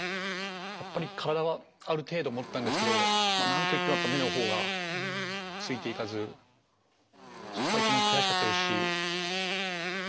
やっぱり体はある程度戻ったんですけど何といってもやっぱ目の方がついていかずそこが一番悔しかったですしま